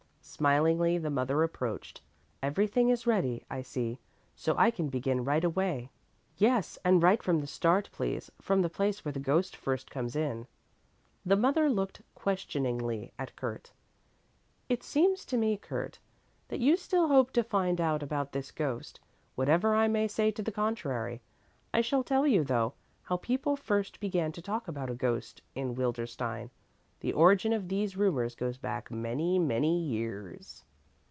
Smilingly the mother approached. "Everything is ready, I see, so I can begin right away." "Yes, and right from the start, please; from the place where the ghost first comes in." The mother looked questioningly at Kurt. "It seems to me, Kurt, that you still hope to find out about this ghost, whatever I may say to the contrary. I shall tell you, though, how people first began to talk about a ghost in Wildenstein. The origin of these rumors goes back many, many years."